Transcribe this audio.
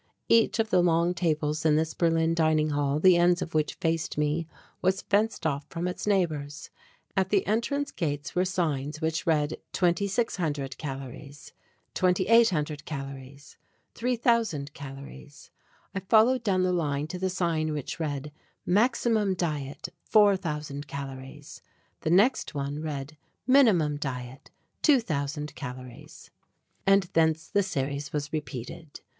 Each of the long tables of this Berlin dining hall, the ends of which faced me, was fenced off from its neighbours. At the entrance gates were signs which read "2600 Calories," "2800 Calories," "3000 Calories" I followed down the line to the sign which read "Maximum Diet, 4000 Calories." The next one read, "Minimum Diet 2000 Calories," and thence the series was repeated.